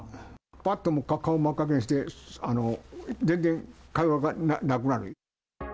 ぱっと顔真っ赤かにして全然会話がなくなる。